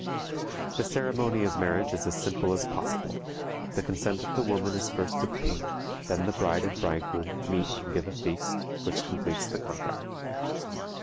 The ceremony of marriage is as simple as possible. The consent of the woman is first obtained, then the bride and bridegroom meet and give a feast, which completes the contract.